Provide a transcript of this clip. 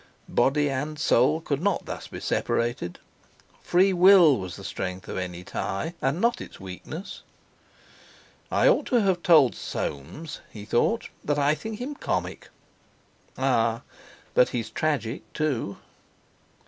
Body and soul could not thus be separated. Free will was the strength of any tie, and not its weakness. "I ought to have told Soames," he thought, "that I think him comic. Ah! but he's tragic, too!"